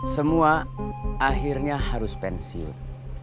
semua akhirnya harus pensiun